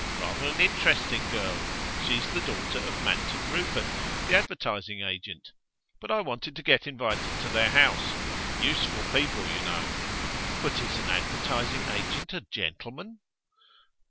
Rather an interesting girl. She's a daughter of Manton Rupert, the advertising agent. I want to get invited to their house; useful people, you know.' 'But is an advertising agent a gentleman?